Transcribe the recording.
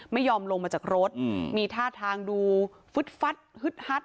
ไม่ยอมลงมาจากรถมีท่าทางดูฟึดฟัดฮึดฮัด